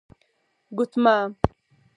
💍 ګوتمه